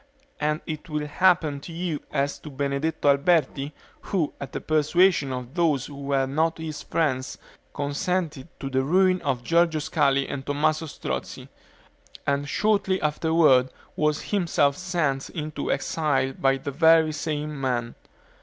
And it will happen to you as to Benedetto Alberti, who, at the persuasion of those who were not his friends, consented to the ruin of Giorgio Scali and Tommaso Strozzi, and shortly afterward was himself sent into exile by the very same men."